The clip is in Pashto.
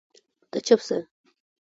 ته چپ سه